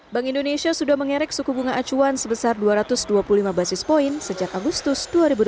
bank indonesia sudah mengerek suku bunga acuan sebesar dua ratus dua puluh lima basis point sejak agustus dua ribu delapan belas